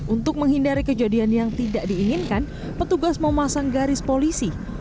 untuk menghindari kejadian yang tidak diinginkan petugas memasang garis polisi